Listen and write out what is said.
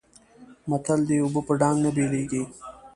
متل دی: اوبه په ډانګ نه بېلېږي.